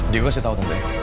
diego kasih tau tante